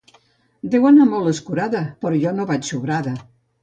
Deu anar molt escurada, però jo no vaig sobrada